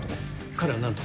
彼は何と？